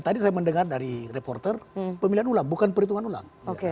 tadi saya mendengar dari reporter pemilihan ulang bukan perhitungan ulang